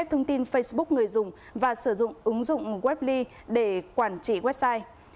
thông tin facebook người dùng và sử dụng ứng dụng webley để quản trị website